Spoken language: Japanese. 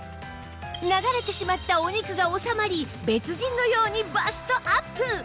流れてしまったお肉が収まり別人のようにバストアップ